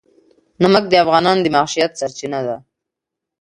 نمک د افغانانو د معیشت سرچینه ده.